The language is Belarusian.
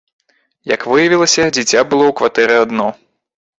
Як выявілася, дзіця было ў кватэры адно.